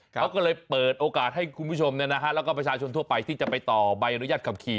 เขาก็เลยเปิดโอกาสให้คุณผู้ชมแล้วก็ประชาชนทั่วไปที่จะไปต่อใบอนุญาตขับขี่